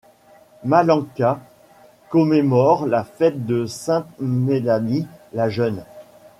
Malanka commémore la fête de Sainte-Mélanie la Jeune.